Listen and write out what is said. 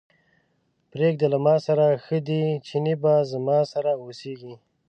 پرېږده له ماسره ښه دی، چينی به زما سره اوسېږي.